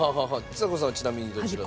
ちさ子さんはちなみにどちら。